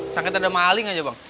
sakit ada maling aja bang